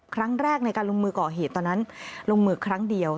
ครั้งแรกในการลงมือก่อเหตุตอนนั้นลงมือครั้งเดียว